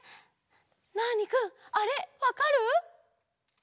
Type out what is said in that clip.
ナーニくんあれわかる？